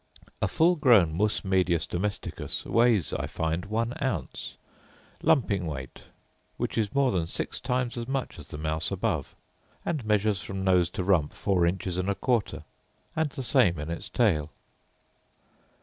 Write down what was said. A full grown mus medius domesticus weighs, I find, one ounce, lumping weight, which is more than six times as much as the mouse above; and measures from nose to rump four inches and a quarter, and the same in its tail.